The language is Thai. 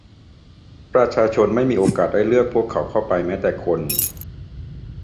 ประชาชนไม่มีโอกาสได้เลือกพวกเขาเข้าไปเลยแม้แต่คน